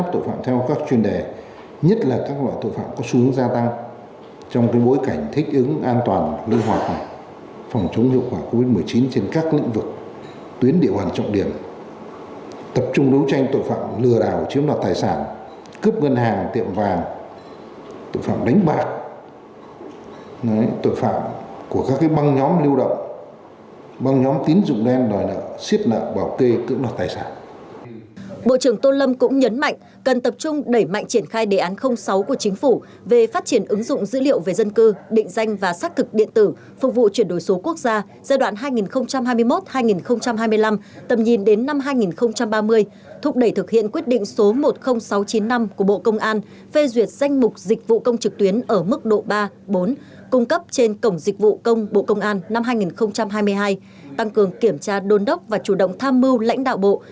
phát biểu tại hội nghị thay mặt đảng ủy công an trung ương lãnh đạo bộ công an trung ương lãnh đạo bộ công an trung ương lãnh đạo bộ công an trung ương lãnh đạo bộ công an trung ương lãnh đạo bộ công an trung ương lãnh đạo bộ công an trung ương lãnh đạo bộ công an trung ương lãnh đạo bộ công an trung ương lãnh đạo bộ công an trung ương lãnh đạo bộ công an trung ương lãnh đạo bộ công an trung ương lãnh đạo bộ công an trung ương lãnh đạo bộ công an trung ương lãnh đạo bộ công an trung ương